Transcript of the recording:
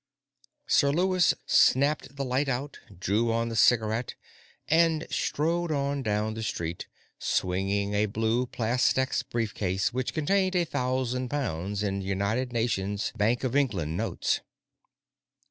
_ Sir Lewis snapped the light out, drew on the cigarette, and strode on down the street, swinging a blue plastex brief case which contained a thousand pounds in United Nations Bank of England notes.